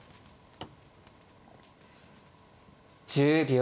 １０秒。